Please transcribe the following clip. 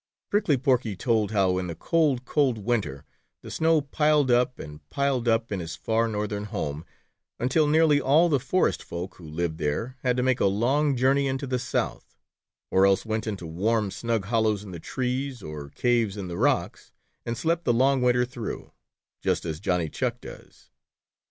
Prickly Porky told how in the cold, cold winter the snow piled up and piled up in his far northern home, until nearly all the forest folk who lived there had to make a long journey into the South, or else went into warm, snug hollows in the trees or caves in the rocks and slept the long winter through, just as Johnny Chuck does.